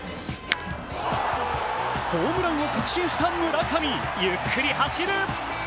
ホームランを確信した村上ゆっくり走る。